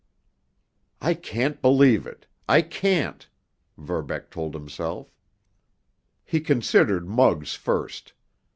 "I can't believe it—I can't!" Verbeck told himself. He considered Muggs first.